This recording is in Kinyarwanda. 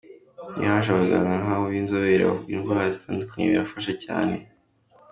Iyo haje abaganga nk’abo b’inzobere bavura indwara zitandukanye birafasha cyane.